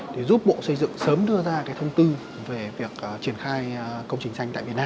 để giúp bộ xây dựng sớm đưa ra cái thông tư về việc triển khai công trình xanh tại việt nam